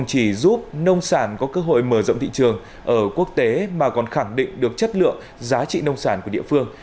chỉ giúp nông sản có cơ hội mở rộng thị trường ở quốc tế mà còn khẳng định được chất lượng giá trị nông sản của địa phương